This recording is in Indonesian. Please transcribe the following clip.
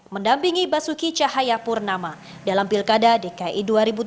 mendampingi basuki cahayapurnama dalam pilkada dki dua ribu tujuh belas